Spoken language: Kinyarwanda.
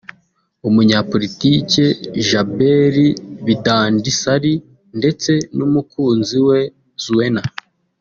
umunyapolitiki Jaberi Bidandi Ssali ndetse n’umukunzi we Zuena